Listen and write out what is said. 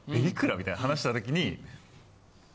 みたいな話した時に。